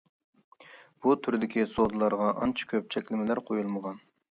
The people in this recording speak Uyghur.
بۇ تۇردىكى سودىلارغا ئانچە كۆپ چەكلىمىلەر قويۇلمىغان.